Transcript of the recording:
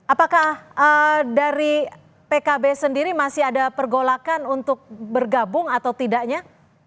apakah dari pkb sendiri masih ada pergolakan untuk bergabung atau tidaknya